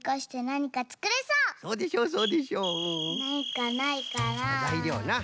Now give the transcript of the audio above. なにかないかな？